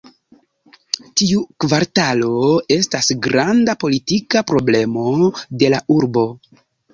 Tiu kvartalo estas granda politika problemo de la urbo.